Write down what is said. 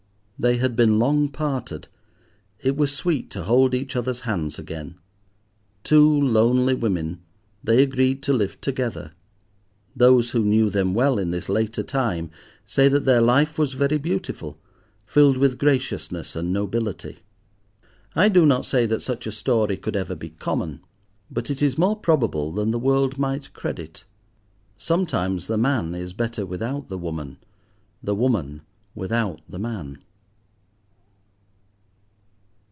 They had been long parted: it was sweet to hold each other's hands again. Two lonely women, they agreed to live together. Those who knew them well in this later time say that their life was very beautiful, filled with graciousness and nobility. I do not say that such a story could ever be common, but it is more probable than the world might credit. Sometimes the man is better without the woman, the woman without the man.